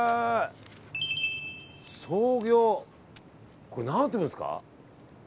創業、これ何て読むんですか？